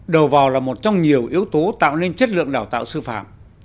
đầu vào là một trong nhiều yếu tố tạo nên chất lượng đào tạo sư phạm